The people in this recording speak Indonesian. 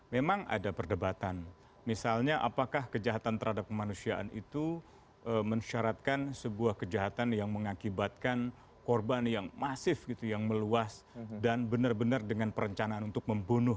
memang ada perdebatan misalnya apakah kejahatan terhadap kemanusiaan itu mensyaratkan sebuah kejahatan yang mengakibatkan korban yang masif gitu yang meluas dan benar benar dengan perencanaan untuk membunuh